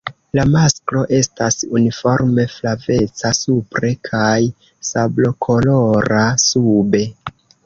La masklo estas uniforme flaveca supre kaj sablokolora sube.